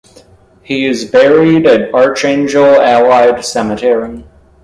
He is buried at Archangel Allied Cemetery.